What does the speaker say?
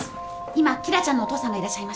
今紀來ちゃんのお父さんがいらっしゃいました。